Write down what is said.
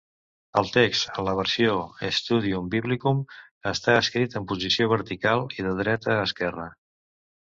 El text en la versió Studium Biblicum està escrit en posició vertical i de dreta a esquerra.